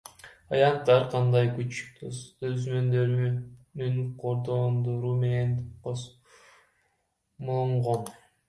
Аянт ар кандай күч түзүмдөрүнүн кордондору менен тосмолонгон.